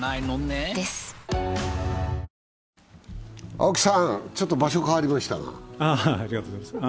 青木さん、ちょっと場所変わりましたが。